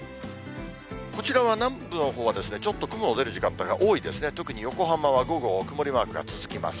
こちらは南部のほうはちょっと雲の出る時間帯が多いですね、特に横浜は午後、曇りマークが続きます。